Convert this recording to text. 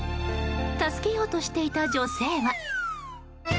助けようとしていた女性は。